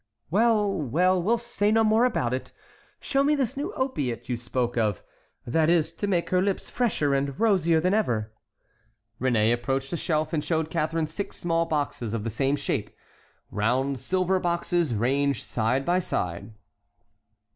"Well, well; we'll say no more about it. Show me this new opiate you spoke of, that is to make her lips fresher and rosier than ever." Réné approached a shelf and showed Catharine six small boxes of the same shape, i.e., round silver boxes ranged side by side.